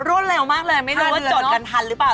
รวดเร็วมากเลยไม่รู้ว่าจดกันทันหรือเปล่า